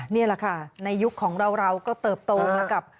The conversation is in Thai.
นี่แหละค่ะในยุคของเราก็เติบโตมากับ